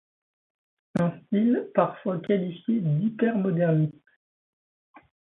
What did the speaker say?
Un style parfois qualifié d’hypermoderniste.